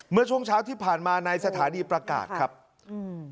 เมื่อช่วงเช้าที่ผ่านมาในสถานีประกาศครับอืม